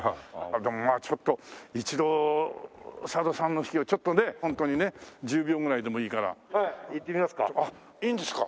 でもまあちょっと一度佐渡さんの指揮をちょっとねホントにね１０秒ぐらいでもいいから。いってみますか？